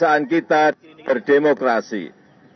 kemudian kita harus berhukum dengan kejahatan